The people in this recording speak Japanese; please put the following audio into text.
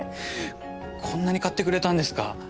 こんなに買ってくれたんですか！？